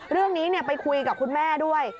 เรื่องนี้ไปคุยกับคุณแม่ด้วย